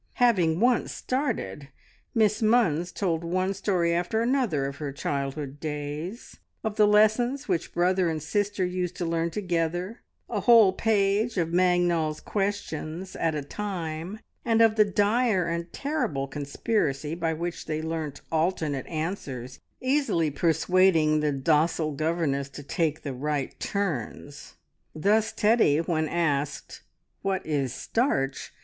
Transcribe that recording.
Having once started, Miss Munns told one story after another of her childhood's days; of the lessons which brother and sister used to learn together a whole page of Mangnall's Questions at a time, and of the dire and terrible conspiracy, by which they learnt alternate answers, easily persuading the docile governess to take the right "turns." Thus Teddy, when asked "What is starch?"